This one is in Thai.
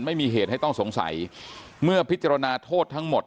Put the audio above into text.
ไม่มีเหตุให้ต้องสงสัยเมื่อพิจารณาโทษทั้งหมด